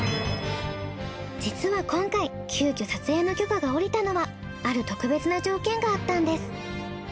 実は今回急きょ撮影の許可が下りたのはある特別な条件があったんです。